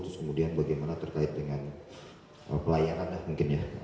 terus kemudian bagaimana terkait dengan pelayanan lah mungkin ya